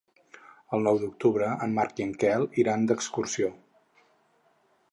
El nou d'octubre en Marc i en Quel iran d'excursió.